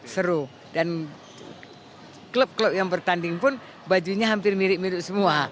seru dan klub klub yang bertanding pun bajunya hampir mirip mirip semua